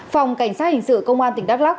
phòng cảnh sát hình sự công an tỉnh đắk lắc